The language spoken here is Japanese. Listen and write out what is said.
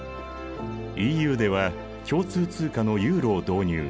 ＥＵでは共通通貨のユーロを導入